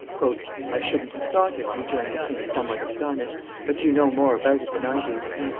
"I shouldn't have thought it, rejoined the king, somewhat astonished; "but you know more about it than I do."